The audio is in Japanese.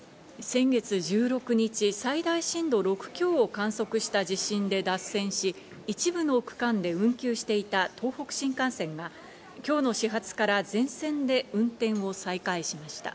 先月１６日、最大震度６強を観測した地震で脱線し、一部の区間で運休していた東北新幹線が今日の始発から全線で運転を再開しました。